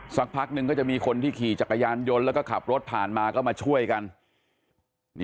สักพักนึงก็จะมีคนที่ขี่จักรยานยนต์แล้วก็ขับรถผ่านมาก็มาช่วยกัน